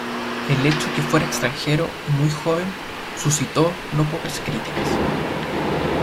El hecho que fuera extranjero y muy joven suscitó no pocas críticas.